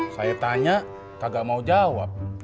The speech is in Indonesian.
saya tanya kagak mau jawab